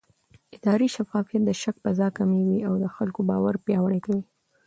اداري شفافیت د شک فضا کموي او د خلکو باور پیاوړی کوي